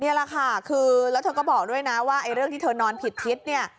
นี่แหละค่ะคือแล้วเธอก็บอกด้วยนะว่าเรื่องที่เธอนอนผิดทิศเนี่ย